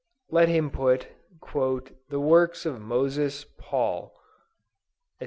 let him put, "the works of Moses, Paul," &c.